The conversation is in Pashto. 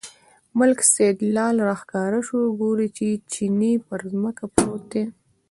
ملک سیدلال راښکاره شو، ګوري چې چیني پر ځمکه پروت دی.